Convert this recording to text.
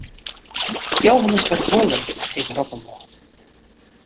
Johan is by de buorlju, ik rop him wol.